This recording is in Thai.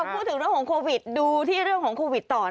พูดถึงเรื่องของโควิดดูที่เรื่องของโควิดต่อ